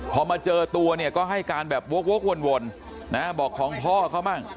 พอมาเจอตัวเนี่ยก็ให้การแบบวกวนนะบอกของพ่อเขามั่ง